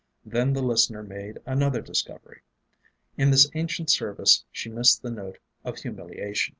Then the listener made another discovery. In this ancient service she missed the note of humiliation.